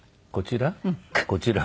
こちら？